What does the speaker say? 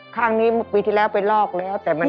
ข้างนี้ปีที่แล้วไปลอกแล้วแต่มัน